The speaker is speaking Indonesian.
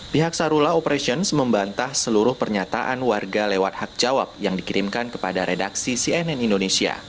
pihak sarula operations membantah seluruh pernyataan warga lewat hak jawab yang dikirimkan kepada redaksi cnn indonesia